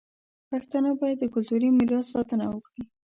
پښتانه باید د کلتوري میراث ساتنه وکړي.